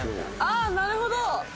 あー、なるほど。